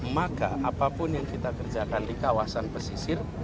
maka apapun yang kita kerjakan di kawasan pesisir